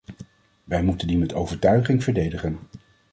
Wij moeten die met overtuiging verdedigen.